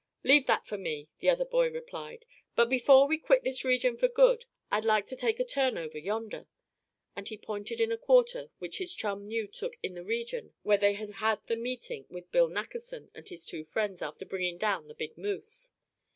"Leave that for me," the other boy replied; "but before we quit this region for good I'd like to take a turn over yonder." And he pointed in a quarter which his chum knew took in the region where they had had the meeting with Bill Nackerson and his two friends, after bringing down the big moose.